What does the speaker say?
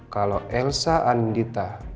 kalau elsa anindita